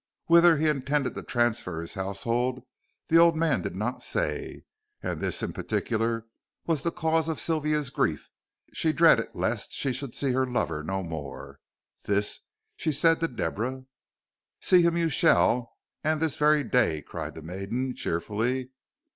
Whither he intended to transfer his household the old man did not say, and this, in particular, was the cause of Sylvia's grief. She dreaded lest she should see her lover no more. This she said to Deborah. "See him you shall, and this very day," cried the maiden, cheerfully.